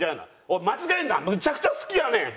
おい間違えるなむちゃくちゃ好きやねん！